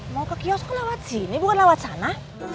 mau ke kios kok lewat sini bukan lewat sana